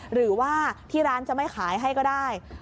หรือว่าที่ร้านจะไม่ขายให้ก็ได้